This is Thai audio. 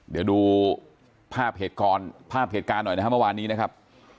เดี๋ยวดูภาพเหตุการณ์หน่อยนะครับเมื่อวานนี้นะครับ